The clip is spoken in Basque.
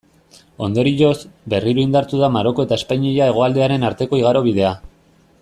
Ondorioz, berriro indartu da Maroko eta Espainia hegoaldearen arteko igarobidea.